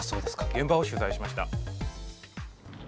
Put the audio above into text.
現場を取材しました。